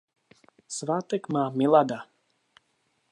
Svátek má Milada.